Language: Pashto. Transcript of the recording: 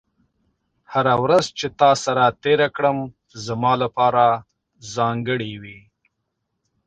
هره ورځ چې تا سره تېره کړم، زما لپاره ځانګړې وي.